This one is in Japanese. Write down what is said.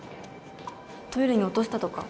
トイレに落としたとか？